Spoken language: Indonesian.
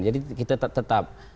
iya iya jadi kita tetap